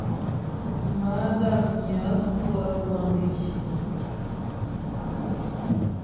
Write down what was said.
Má'a Guamnyə kwə wágisî.